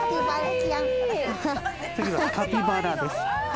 次はカピバラです。